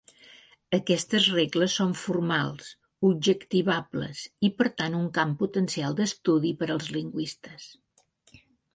Aquestes regles són formals, objectivables, i per tant un camp potencial d'estudi per als lingüistes.